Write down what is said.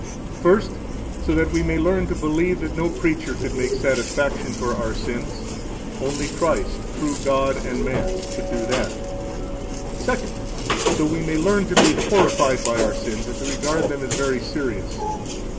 First, so that we may learn to believe that no creature could make satisfaction for our sins. Only Christ, true God and man, could do that. Second, so we may learn to be horrified by our sins, and to regard them as very serious.